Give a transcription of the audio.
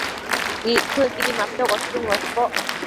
Ictsëcquidi mapiocosën uesboc